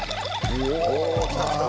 お、来た来た。